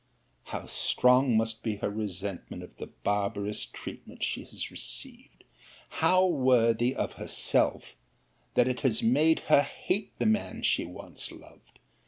* See Vol. IV. Letter XXI. How strong must be her resentment of the barbarous treatment she has received! how worthy of herself, that it has made her hate the man she once loved!